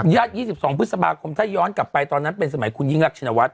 ๒๒พฤษภาคมถ้าย้อนกลับไปตอนนั้นเป็นสมัยคุณยิ่งรักชินวัฒ